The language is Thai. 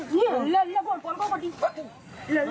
นี่แล้วพ่อมันก็ตี